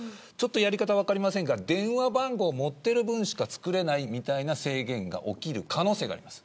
やり方は分かりませんが電話番号を持っている分しかつくれないみたいな制限が起きる可能性があります。